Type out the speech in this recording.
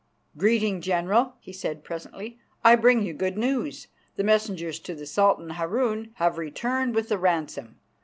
"Greeting, General," he said presently. "I bring you good news. The messengers to the Sultan Harun have returned with the ransom.